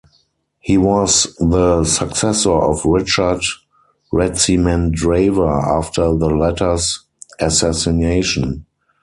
He was the successor of Richard Ratsimandrava after the latter's assassination.